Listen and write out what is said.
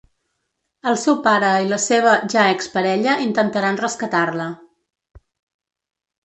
El seu pare i la seva ja exparella intentaran rescatar-la.